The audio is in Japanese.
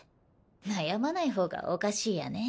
悩まない方がおかしいやね。